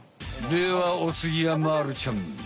ではおつぎはまるちゃん！